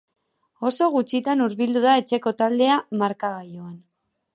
Oso gutxitan hurbildu da etxeko taldea markagailuan.